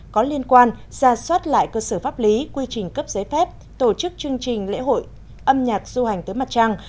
có liên quan ra soát lại cơ sở pháp lý quy trình cấp giấy phép tổ chức chương trình lễ hội âm nhạc du hành tới mặt trăng